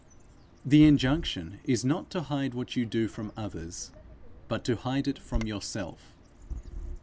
The injunction is not to hide what you do from others, but to hide it from yourself.